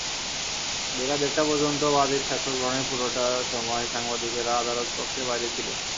বেলা দেড়টা পর্যন্ত বাদীর সাক্ষ্য গ্রহণের পুরোটা সময় সাংবাদিকেরা আদালতকক্ষের বাইরে ছিলেন।